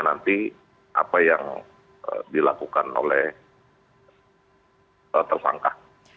nanti apa yang dilakukan oleh tersangka